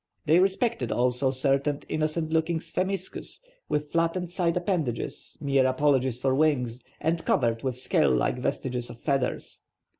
They respected also certain innocent looking sphemiscus, with flattened side appendages, mere apologies for wings, and covered with scale like vestiges of feathers.